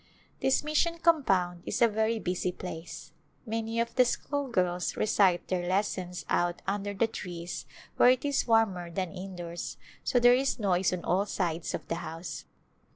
This mission compound is a verv busy place. Many of the schoolgirls recite their lessons out under the trees where it is warmer than indoors, so there is noise on all sides of the house.